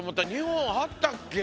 ２本あったっけ？